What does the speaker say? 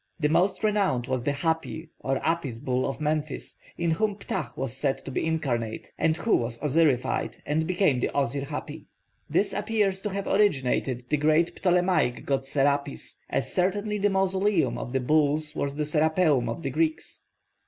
The most renowned was the Hapi or Apis bull of Memphis, in whom Ptah was said to be incarnate, and who was Osirified and became the Osir hapi. This appears to have originated the great Ptolemaic god Serapis, as certainly the mausoleum of the bulls was the Serapeum of the Greeks.